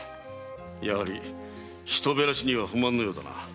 やはり人減らしには不満のようだな。